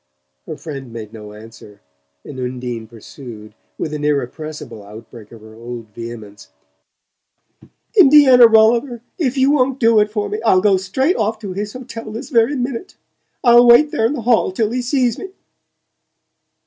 Her friend made no answer, and Undine pursued, with an irrepressible outbreak of her old vehemence: "Indiana Rolliver, if you won't do it for me I'll go straight off to his hotel this very minute. I'll wait there in the hall till he sees me!"